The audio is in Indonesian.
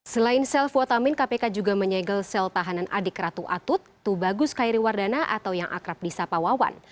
selain sel fuad amin kpk juga menyegel sel tahanan adik ratu atut tubagus khairiwardana atau yang akrab di sapawawan